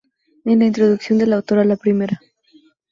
En la introducción del autor a la primera.